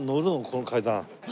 この階段。